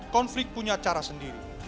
konflik punya cara sendiri